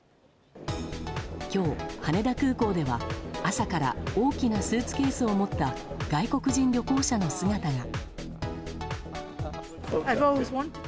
今日、羽田空港では朝から大きなスーツケースを持った外国人旅行者の姿が。